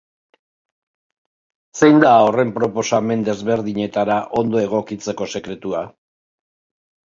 Zein da horren proposamen desberdinetara ondo egokitzeko sekretua?